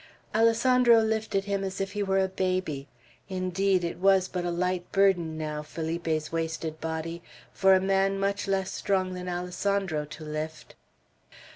Alessandro lifted him as if he were a baby; indeed, it was but a light burden now, Felipe's wasted body, for a man much less strong than Alessandro to lift.